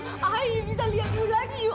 ayah bisa lihat you like you